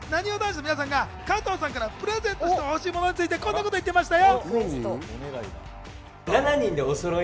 なにわ男子の皆さんが加藤さんからプレゼントしてほしいものについて、こんなこと言っていましたよ。